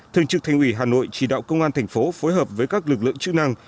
thường trực thành ủy hà nội chỉ đạo công an thành phố phối hợp với các lực lượng chức năng